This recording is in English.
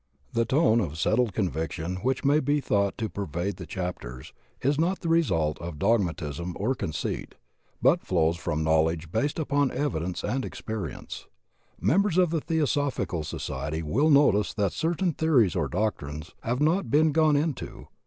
The tone of settled conviction which may be thought to pervade the chap ters is not the result of dogmatism or conceit, but flows from knowledge based upon evidence and experience. Members of the Theosophical Society will notice that certain theories or doctrines have not been gone into.